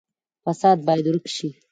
فساد باید ورک شي